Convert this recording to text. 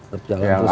tetap jalan terus kok